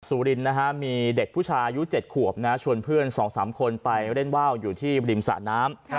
สุรินนะฮะมีเด็กผู้ชายอายุ๗ขวบชวนเพื่อน๒๓คนไปเล่นว่าวอยู่ที่ริมสระน้ำ